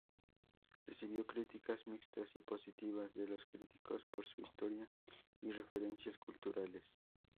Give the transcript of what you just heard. Recibió críticas mixtas y positivas de los críticos por su historia y referencias culturales.